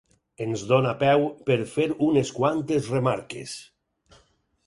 Ens dona peu per fer unes quantes remarques.